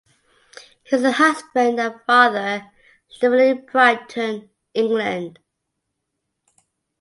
He is a husband and father living in Brighton, England.